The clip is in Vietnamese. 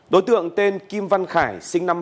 đối tượng tên kim văn khải